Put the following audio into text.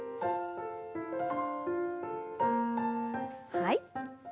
はい。